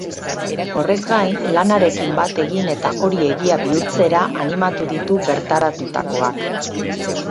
Horrez gain, lanarekin bat egin eta hori egia bihurtzera animatu ditu bertaratutakoak.